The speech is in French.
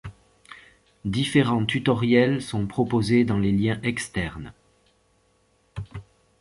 Différents tutoriels sont proposés dans les liens externes.